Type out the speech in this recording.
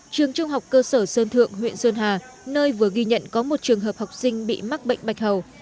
trường trung học cơ sở sơn thượng huyện sơn hà nơi vừa ghi nhận có một trường hợp học sinh bị mắc bệnh bạch hầu